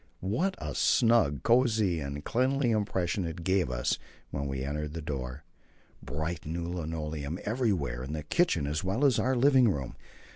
What a snug, cosy, and cleanly impression it gave us when we entered the door! Bright, new linoleum everywhere in the kitchen as well as in our living room.